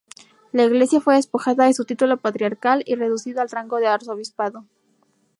La Iglesia fue despojada de su título patriarcal y reducido al rango de arzobispado.